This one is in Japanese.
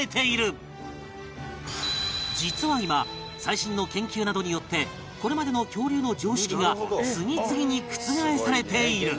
実は今最新の研究などによってこれまでの恐竜の常識が次々に覆されている